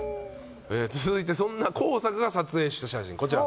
続いてそんな幸阪が撮影した写真こちら。